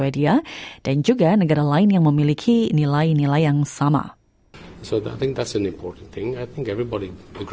dan juga negara lain yang memiliki nilai nilai yang sama